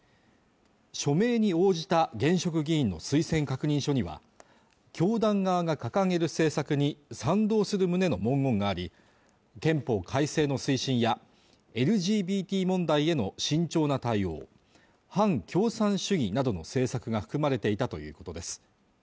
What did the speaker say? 署名に応じた現職議員の推薦確認書には教団側が掲げる政策に賛同する旨の文言があり憲法改正の推進やＬＧＢＴ問題への慎重な対応反共産主義などの政策が含まれていたということです